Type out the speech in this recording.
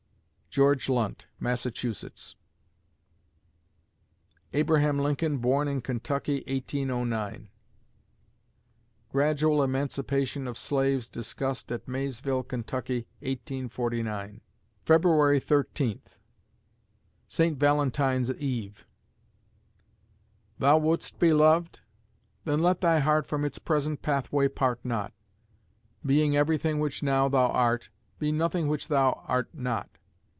GEORGE LUNT (Massachusetts) Abraham Lincoln born in Kentucky, 1809 Gradual emancipation of slaves discussed at Maysville, Ky., 1849 February Thirteenth SAINT VALENTINE'S EVE Thou wouldst be loved? then let thy heart From its present pathway part not; Being everything which now thou art, Be nothing which thou art not.